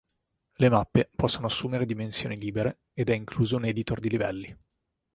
Le mappe possono assumere dimensioni libere ed è incluso un editor di livelli.